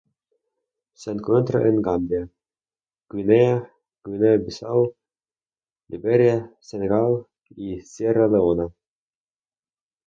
Se encuentra en Gambia, Guinea, Guinea-Bissau, Liberia, Senegal y Sierra Leona.